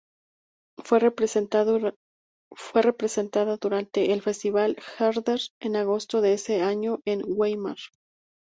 Fue representada durante el Festival Herder en agosto de ese año en Weimar.